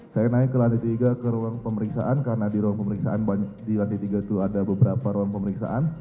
saya naik ke lantai tiga ke ruang pemeriksaan karena di ruang pemeriksaan di lantai tiga itu ada beberapa ruang pemeriksaan